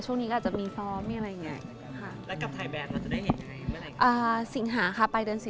ช่วงนี้อาจจะมีส่อมเนี่ยอะไรงี้